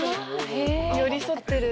寄り添ってる！